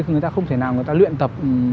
thì người ta không thể nào luyện tập